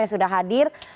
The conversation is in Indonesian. yang sudah hadir